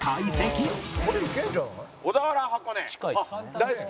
大好き。